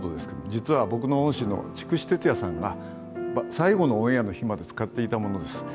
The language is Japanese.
実は僕の恩師の筑紫哲也さんが最後のオンエアの日まで使っていたものです。